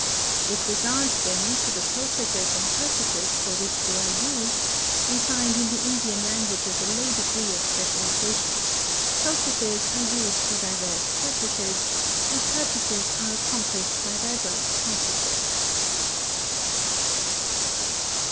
With regard, then, to the processes and purposes for which they are used, we find in the Indian languages a low degree of specialization; processes are used for diverse purposes, and purposes are accomplished by diverse processes.